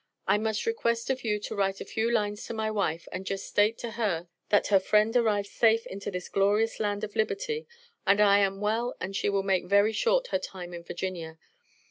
I must request of you to write a few lines to my wife and jest state to her that her friend arrived safe into this glorious land of liberty and I am well and she will make very short her time in Virginia.